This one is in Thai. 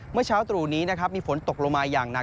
เมื่อเช้าตรูนี้มีฝนตกลมาย่างหนา